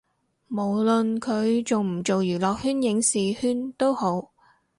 無論佢做唔做娛樂圈影視圈都好